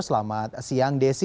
selamat siang desi